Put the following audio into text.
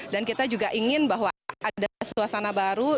dan kita juga ingin bahwa ada suasana baru